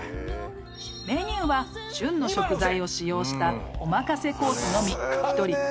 ［メニューは旬の食材を使用したおまかせコースのみ］